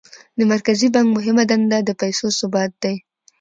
د مرکزي بانک مهمه دنده د پیسو ثبات دی.